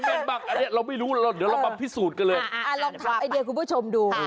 เราเปลี่ยนเป็นตาลอนขายหน้าให้